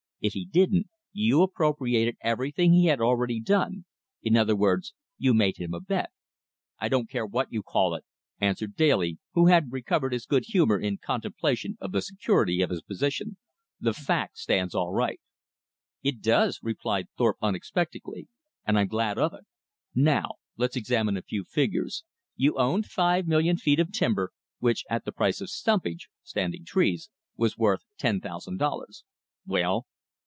If he didn't, you appropriated everything he had already done. In other words, you made him a bet." "I don't care what you call it," answered Daly, who had recovered his good humor in contemplation of the security of his position. "The fact stands all right." "It does," replied Thorpe unexpectedly, "and I'm glad of it. Now let's examine a few figures. You owned five million feet of timber, which at the price of stumpage" (standing trees) "was worth ten thousand dollars." "Well."